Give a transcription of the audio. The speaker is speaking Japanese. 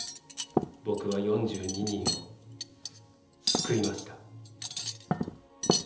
僕は４２人を救いました